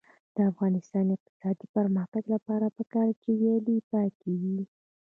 د افغانستان د اقتصادي پرمختګ لپاره پکار ده چې ویالې پاکې وي.